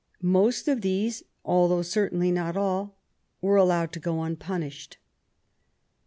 Most of these, although certainly not all, were allowed to go unpunished.